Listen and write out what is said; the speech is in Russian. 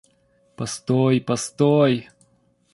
Постой, постой!